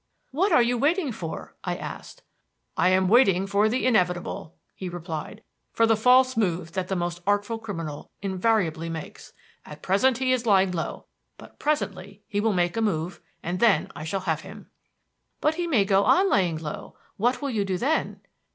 "What are you waiting for?" I asked. "I am waiting for the inevitable," he replied; "for the false move that the most artful criminal invariably makes. At present he is lying low; but presently he will make a move, and then I shall have him." "But he may go on lying low. What will you do then?"